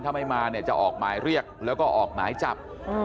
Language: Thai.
ถ้าไม่มาเนี่ยจะออกหมายเรียกแล้วก็ออกหมายจับ